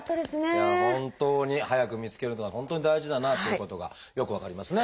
本当に早く見つけるのは本当に大事だなということがよく分かりますね。